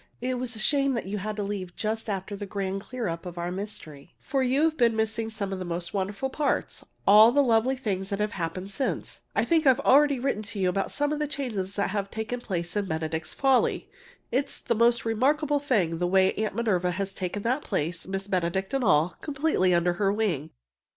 It was a shame that you had to leave just after the grand clear up of our mystery, for you've been missing some of the most wonderful parts all the lovely things that have happened since. I think I've already written you about some of the changes that have taken place in "Benedict's Folly." It's the most remarkable thing the way Aunt Minerva has taken that place Miss Benedict and all completely under her wing!